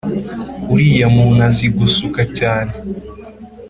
uriya muntu azi gusuka cyane